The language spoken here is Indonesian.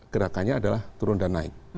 gerakannya adalah turun dan naik